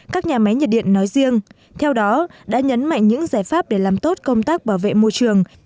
các nhà máy nhiệt điện nói riêng theo đó đã nhấn mạnh những giải pháp để làm tốt công tác bảo vệ môi trường